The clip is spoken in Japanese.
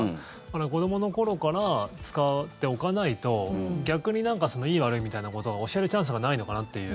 子どもの頃から使っておかないと逆になんかいい、悪いみたいなことを教えるチャンスがないのかなっていう。